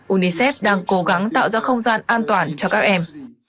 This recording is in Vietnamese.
unicef đang cố gắng tạo ra không gian an toàn cho các em